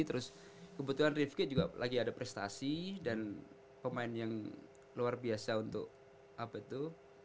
terus kebetulan rivki juga lagi ada prestasi dan pemain yang luar biasa untuk apa itu